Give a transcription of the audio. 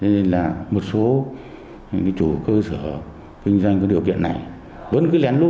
nên là một số chủ cơ sở kinh doanh có điều kiện này vẫn cứ lên lút